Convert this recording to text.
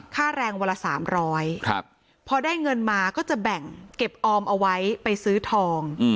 ค่าแรงวันละ๓๐๐พอได้เงินมาก็จะแบ่งเก็บออมเอาไว้ไปซื้อทอง